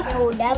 udah bapak denny